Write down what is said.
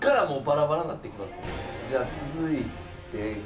じゃあ続いてが。